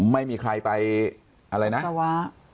ไม่มีใครไปอะไรนะ